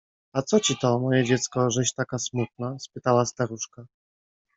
— A co ci to, moje dziecko, żeś taka smutna? — spytała staruszka.